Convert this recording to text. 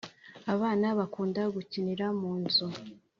Abana bakunda gukinira munzu